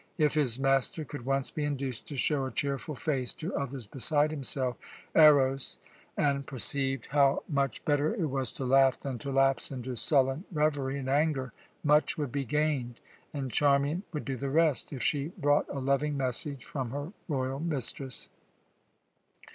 If his master could once be induced to show a cheerful face to others besides himself, Eros, and perceived how much better it was to laugh than to lapse into sullen reverie and anger, much would be gained, and Charmian would do the rest, if she brought a loving message from her royal mistress.